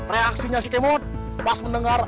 reaksinya si kemo pas mendengar